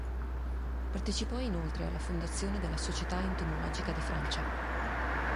Partecipò inoltre alla fondazione della "Società entomologica di Francia".